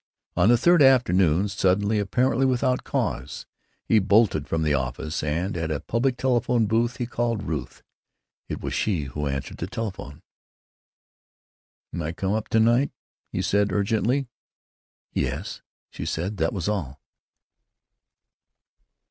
On the third afternoon, suddenly, apparently without cause, he bolted from the office, and at a public telephone booth he called Ruth. It was she who answered the telephone. "May I come up to night?" he said, urgently. "Yes," she said. That was all.